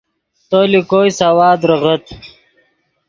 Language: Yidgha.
تو لے کوئی سوا دریغت